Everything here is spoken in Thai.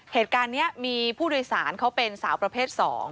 เหตุการณ์นี้มีผู้โดยศาลคือสาวประเภท๒